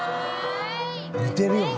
似てるよな？